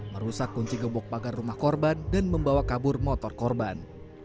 merusak kunci gebok pagar rumah korban dan membawa kabur motor korban